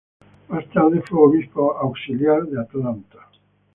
Más tarde fue obispo auxiliar de Atlanta.